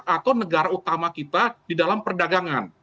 atau negara utama kita di dalam perdagangan